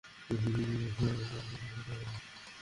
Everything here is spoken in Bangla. শুধুমাত্র কারো বিনোদনের জন্যই এই গেম তৈরি, রাইট?